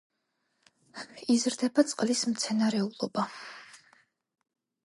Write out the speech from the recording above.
იზრდება წყლის მცენარეულობა.